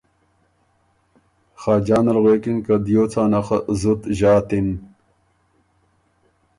خاجان ال غوېکِن که ”دیو څانه خه زُت ݫاتِن۔